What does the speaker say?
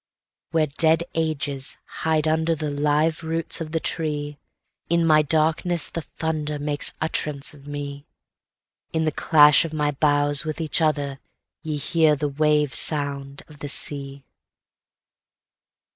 Where dead ages hide underThe live roots of the tree, In my darkness the thunderMakes utterance of me; In the clash of my boughs with each other ye hear the waves sound of the sea.